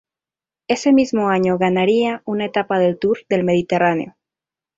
Ese mismo año ganaría una etapa del Tour del Mediterráneo.